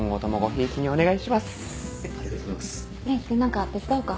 元気君何か手伝おうか？